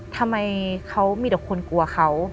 ทำไมเขามีแต่คนกลัวเขา